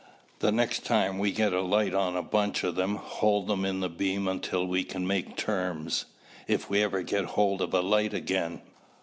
The next time we get a light on a bunch of them, hold them in the beam until we can make terms." "If we ever get hold of a light again."